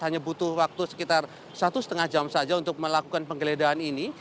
hanya butuh waktu sekitar satu lima jam saja untuk melakukan penggeledahan ini